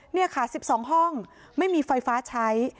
นี่ค่ะ๑๒ห้องไม่มีไฟฟ้าใช้